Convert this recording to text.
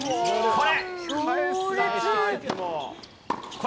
これ！